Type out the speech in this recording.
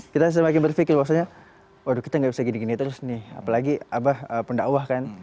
kita semakin berpikir bahwasanya waduh kita nggak bisa gini gini terus nih apalagi pendakwah kan